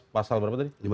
pasal berapa tadi